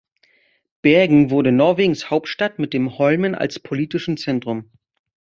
Bergen wurde Norwegens Hauptstadt mit dem Holmen als politischem Zentrum.